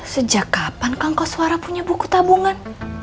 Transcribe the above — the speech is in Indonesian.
sejak kapan kangkos suara punya buku tabungan